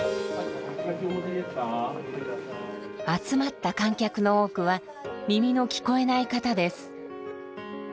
集まった観客の多くは耳の聞こえない方です。